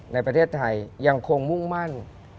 ในประเทศไทยยังคงมุ่งมั่น